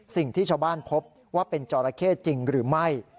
สิ่งที่ชาวบ้านพบว่าเป็นจอราเข้จริงหรือไม่